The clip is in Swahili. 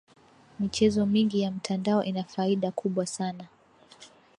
michezo mingi ya mtandao ina faida kubwa sana